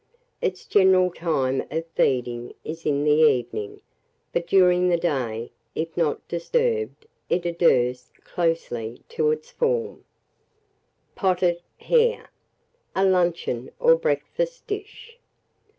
Its general time of feeding is the evening; but during the day, if not disturbed, it adheres closely to its form. [Illustration: THE HARE.] POTTED HARE (a Luncheon or Breakfast Dish).